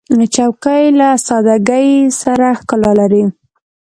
چوکۍ له سادګۍ سره ښکلا لري.